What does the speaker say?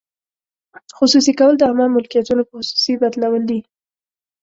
خصوصي کول د عامه ملکیتونو په خصوصي بدلول دي.